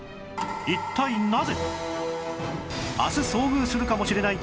一体なぜ？